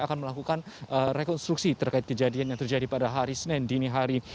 akan melakukan rekonstruksi terkait kejadian yang terjadi pada hari senin dini hari